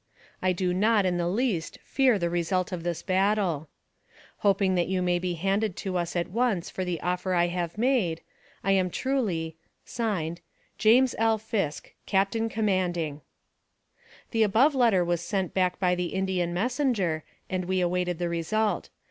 I do not, in the least, fear the result of this battle. " Hoping that you may be handed to us at once for the offer I have made, "I am truly, (Signed) u JAS. L. FISK, Capt. Comd'g." The above letter was sent back by the Indian mes senger, and we awaited the result.